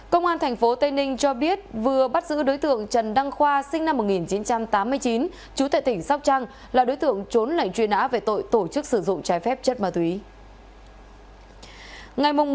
công an tp tây ninh cho biết vừa bắt giữ đối tượng trần đăng khoa sinh năm một nghìn chín trăm tám mươi chín chú tại tỉnh sóc trăng là đối tượng trốn lệnh truy nã về tội tổ chức sử dụng trái phép chất ma túy